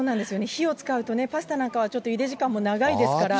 火を使うとね、パスタなんかはちょっとゆで時間も長いですから。